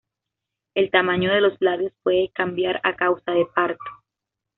El tamaño de los labios puede cambiar a causa de parto.